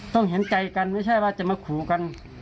เห็นใจกันไม่ใช่ว่าจะมาขู่กัน